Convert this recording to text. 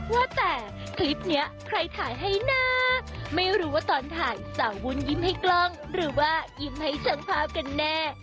ว่าแต่คลิปนี้ใครถ่ายให้นะไม่รู้ว่าตอนถ่ายสาววุ้นยิ้มให้กล้องหรือว่ายิ้มให้ช่างภาพกันแน่